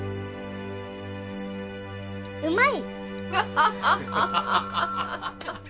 うまい！